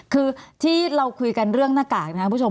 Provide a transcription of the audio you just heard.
คือที่เราคุยกันเรื่องหน้ากากนะครับคุณผู้ชม